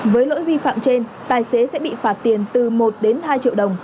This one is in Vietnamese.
với lỗi vi phạm trên tài xế sẽ bị phạt tiền từ một đến hai triệu đồng